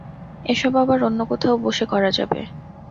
এসব আবার অন্য কোথাও বসে করা যাবে?